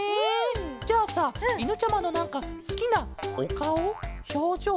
じゃあさいぬちゃまのなんかすきなおかおひょうじょうとかってあるケロ？